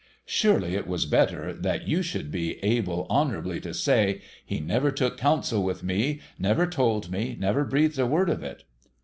Surely it was better that you should be able honourably to say, *' He never took counsel with me, never told me, never breathed a word of it."